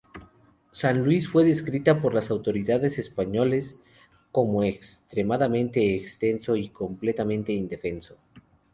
San Luis fue descrita por las autoridades españoles como extremadamente extenso y completamente indefenso.